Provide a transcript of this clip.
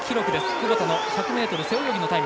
窪田の１００ｍ背泳ぎのタイム。